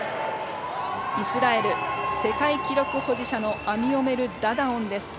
イスラエル世界記録保持者アミオメル・ダダオン。